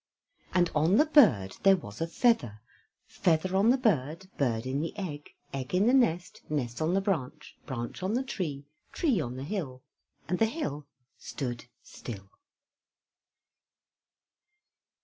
And on the bird there was a feather; Feather on the bird, bird in the egg, egg in the nest, nest on the branch, branch on the tree, tree on the hill, and the hill stood still.